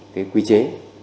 cái quy chế